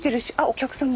お客さんも。